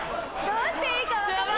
どうしていいか。